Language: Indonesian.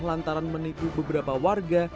lantaran menipu beberapa warga